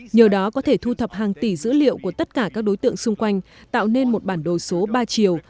nhờ đó có thể thu thập hàng tỷ dữ liệu của tất cả các đối tượng xung quanh tạo nên một bản đồ số ba chiều